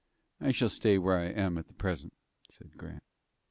"I shall stay where I am for the present," said Grant.